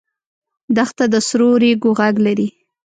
دښته د سرو ریګو غږ لري.